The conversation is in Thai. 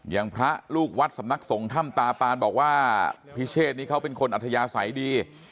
อย่างพระลูกวัดสำนักสงฆ์ถ้ำตาปานบอกว่าพิเชษนี้เขาเป็นคนอัธยาศัยดี